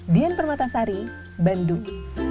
dian permatasari bandung